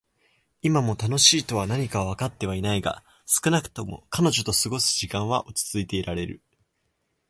今も「楽しい」とは何かはわかってはいないが、少なくとも彼女と過ごす時間は落ち着いていられる。